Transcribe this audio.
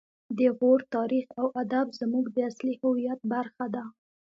د غور تاریخ او ادب زموږ د اصلي هویت برخه ده